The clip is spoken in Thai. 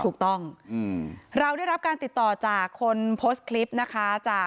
ถูกต้องเราได้รับการติดต่อจากคนโพสต์คลิปนะคะจาก